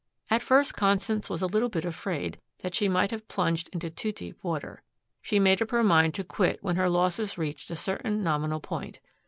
At first Constance was a little bit afraid that she might have plunged into too deep water. She made up her mind to quit when her losses reached a certain nominal point.